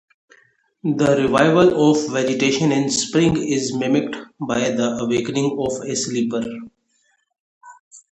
The revival of vegetation in spring is mimicked by the awakening of a sleeper.